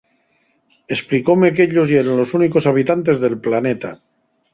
Esplicóme qu'ellos yeren los únicos habitantes del planeta.